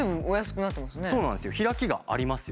そうなんですよ。